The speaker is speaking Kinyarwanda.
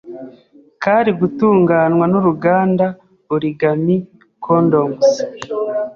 kari gutunganywa n’uruganda Origami Condoms.